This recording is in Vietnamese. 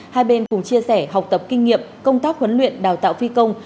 hai bên cùng chia sẻ học tập kinh nghiệm công tác huấn luyện đào tạo phi công